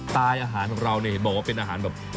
ไตล์อาหารของเราเนี่ยเห็นบอกว่าเป็นอาหารแบบ